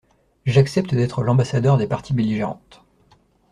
J'accepte d'être l'ambassadeur des parties belligérantes.